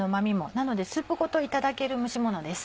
なのでスープごといただける蒸しものです。